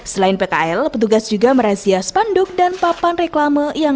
selain pkl petugas juga merazia spanduk dan papan reklama